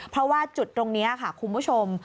เพราะว่าจุดตรงนี้ค่ะคุณผู้ชม